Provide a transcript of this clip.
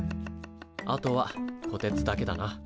あとはこてつだけだな。